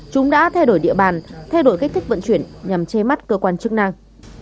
chúng đã thay đổi địa bàn thay đổi cách thích vận chuyển nhằm chê mắt cơ quan chức năng